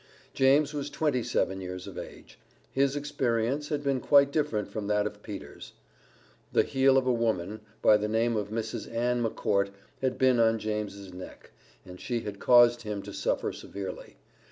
James was twenty seven years of age. His experience had been quite different from that of Peter's. The heel of a woman, by the name of Mrs. Ann McCourt, had been on James's neck, and she had caused him to suffer severely.